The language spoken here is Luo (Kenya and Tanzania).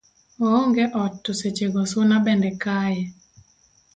oonge ot to seche go suna bende kaye